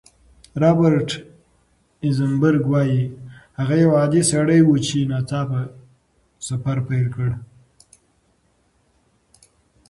رابرټ ایزنبرګ وايي، هغه یو عادي سړی و چې ناڅاپه سفر پیل کړ.